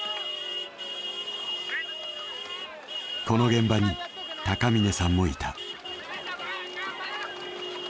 この現場に高峰さんもいた。